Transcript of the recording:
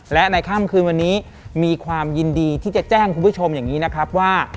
และในค่ำคืนวันนี้มีความยินดีที่จะแจ้งคุณผู้ชมอย่างนี้นะครับว่า